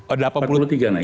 oh delapan puluh tiga naik